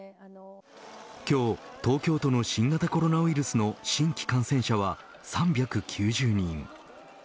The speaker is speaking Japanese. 今日、東京都の新型コロナウイルスの新規感染者は３９０人。